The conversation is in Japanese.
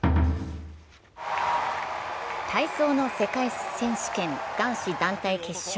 体操の世界選手権男子団体決勝。